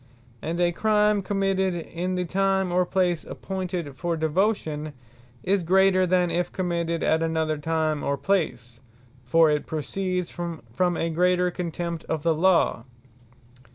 And a Crime committed in the Time, or Place appointed for Devotion, is greater, than if committed at another time or place: for it proceeds from a greater contempt of the Law.